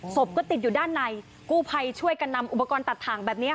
ศพก็ติดอยู่ด้านในกู้ภัยช่วยกันนำอุปกรณ์ตัดถ่างแบบนี้